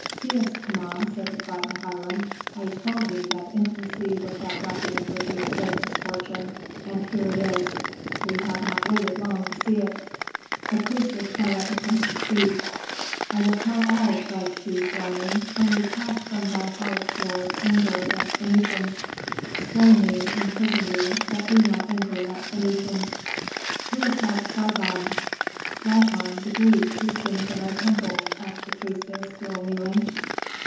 "Seest, Kama," said the frightened Hiram, "I told thee that intimacy with that ruffian would bring great misfortune And here it is! We have not waited long to see it." The priestess fell at the prince's feet. "I will tell all," cried she, groaning; "only cast from thy heart, lord, anger against Phœnicians. Slay me, imprison me, but be not angry at Phœnicians." "Who attacked Sargon?" "Lykon, the Greek, who sings in our temples," said the priestess, still kneeling.